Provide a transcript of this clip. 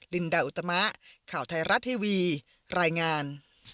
ลินดาอุตมะข่าวไทยรัฐทีวีรายงาน